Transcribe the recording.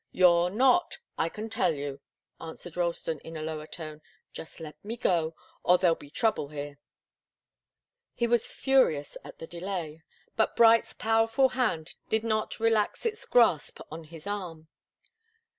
"You're not, I can tell you!" answered Ralston, in a lower tone. "Just let me go or there'll be trouble here." He was furious at the delay, but Bright's powerful hand did not relax its grasp on his arm.